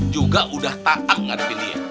juga udah takak ngarepin dia